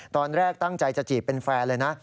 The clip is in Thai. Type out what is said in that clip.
ตอนแรกตั้งใจจะจีบเป็นแฟนเลยนะ